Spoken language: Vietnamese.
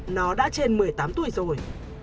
nó đã trên một mươi tám tuổi rồi